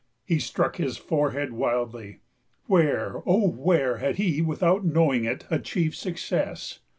He struck his forehead wildly where, O where had he without knowing it achieved success?